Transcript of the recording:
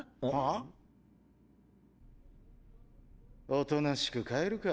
おとなしく帰るか。